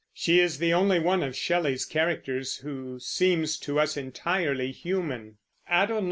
She is the only one of Shelley's characters who seems to us entirely human.